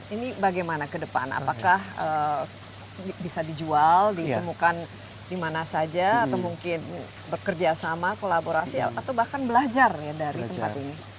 ini bagaimana ke depan apakah bisa dijual ditemukan di mana saja atau mungkin bekerja sama kolaborasi atau bahkan belajar ya dari tempat ini